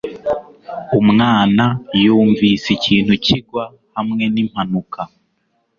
Umwana yumvise ikintu kigwa hamwe nimpanuka